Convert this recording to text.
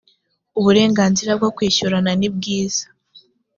uburenganzira bwo kwishyurana nibwiza